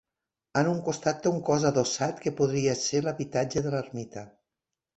En un costat té un cos adossat que podria ser l'habitatge de l'ermita.